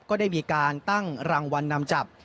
ก็ได้มีการตั้งรางวัลนำจับ